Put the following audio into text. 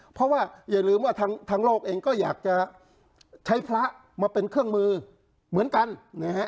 เพราะว่าอย่าลืมว่าทางโลกเองก็อยากจะใช้พระมาเป็นเครื่องมือเหมือนกันนะฮะ